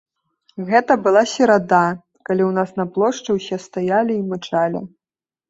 Гэта была серада, калі ў нас на плошчы ўсе стаялі і мычалі.